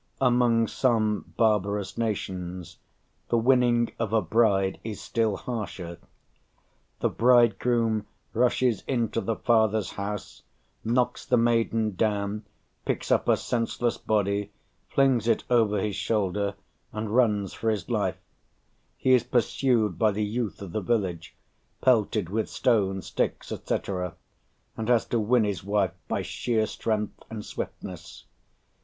Among some barbarous nations the winning of a bride is still harsher: the bridegroom rushes into the father's house knocks the maiden down, picks up her senseless body, flings it over his shoulder, and runs for his life; he is pursued by the youth of the village, pelted with stones, sticks, &c., and has to win his wife by sheer strength and swiftness.